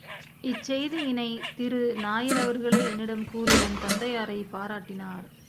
இச்செய்தியினைத் திரு நாயரவர்களே என்னிடம் கூறி, என் தந்தையாரைப் பாராட்டினார்.